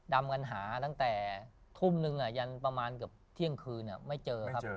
ดำกันหาตั้งแต่ทุ่มนึงยันประมาณเกือบเที่ยงคืนไม่เจอครับ